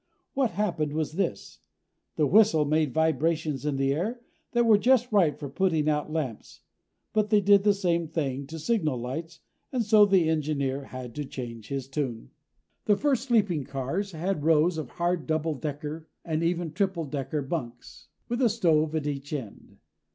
What happened was this: The whistle made vibrations in the air that were just right for putting out the lamps. But they did the same thing to signal lights, and so the engineer had to change his tune. The first sleeping cars had rows of hard double decker and even triple decker bunks, with a stove at each end.